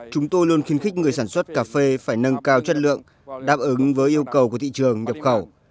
chúng tôi luôn khuyến khích người sản xuất cà phê phải nâng cao chất lượng đáp ứng với yêu cầu của thị trường nhập khẩu